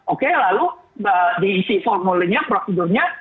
oke lalu diisi formulirnya prosedurnya